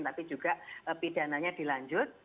tapi juga pidananya dilanjut